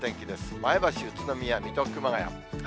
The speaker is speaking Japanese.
前橋、宇都宮、水戸、熊谷。